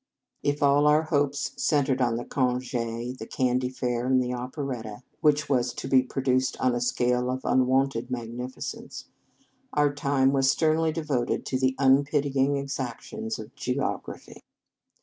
If all our hopes centred in the conge, the candy fair, and the oper etta, which was to be produced on 207 In Our Convent Days a scale of unwonted magnificence, our time was sternly devoted to the unpitying exactions of geography.